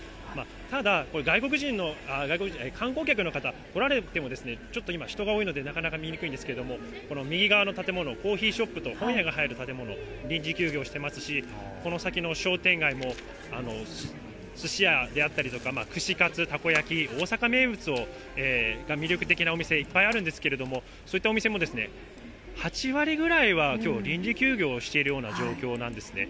ただ、観光客の方来られても、ちょっと今、人が多いのでなかなか見にくいんですけれども、右側の建物、コーヒーショップと本屋が入る建物、臨時休業していますし、この先の商店街も、すし屋であったりとか、串カツ、たこ焼き、大阪名物が魅力的なお店、いっぱいあるんですけれども、そういったお店もですね、８割ぐらいはきょう、臨時休業をしているような状況なんですね。